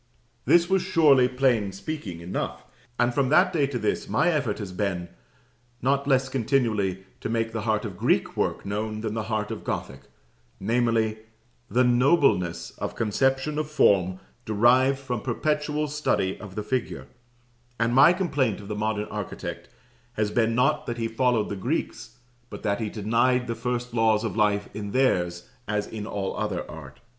This was surely plain speaking enough, and from that day to this my effort has been not less continually to make the heart of Greek work known than the heart of Gothic: namely, the nobleness of conception of form derived from perpetual study of the figure; and my complaint of the modern architect has been not that he followed the Greeks, but that he denied the first laws of life in theirs as in all other art.